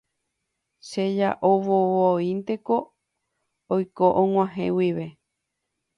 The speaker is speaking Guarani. cheja'ovovoínteko oiko ag̃uahẽ guive.